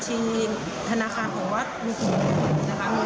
บัญชีทธนาคารของวัดหนึ่งูชร์